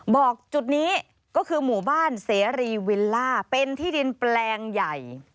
บอกจุดนี้ก็คือหมู่บ้านเสรีวิลล่าเป็นที่ดินแปลงใหญ่